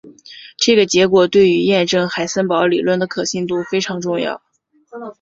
这个结果对于验证海森堡理论的可信度非常重要。